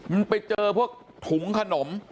มันไปเจอพวกถุงขนม